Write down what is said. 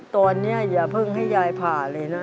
ตอนนี้อย่าเพิ่งให้ยายผ่าเลยนะ